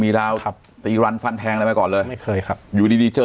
มีราวครับตีรันฟันแทงอะไรมาก่อนเลยไม่เคยครับอยู่ดีดีเจอ